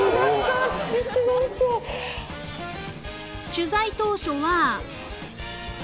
［取材当初は］